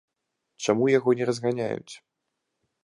Чаму яго не разганяюць?